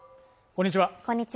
こんにちは